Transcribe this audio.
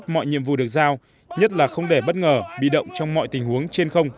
mọi nhiệm vụ được giao nhất là không để bất ngờ bị động trong mọi tình huống trên không